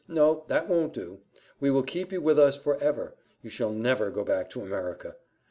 no; that won't do we will keep you with us for ever you shall never go back to America."